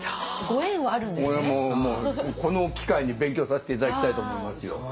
俺もこの機会に勉強させて頂きたいと思いますよ。